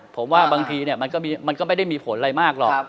ผมว่าบางทีมันก็ไม่ได้มีผลอะไรมากหรอก